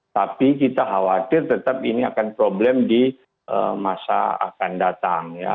tapi kita khawatir tetap ini akan problem di masa akan datang